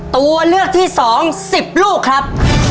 ตัวเลือกที่สองสิบลูกครับ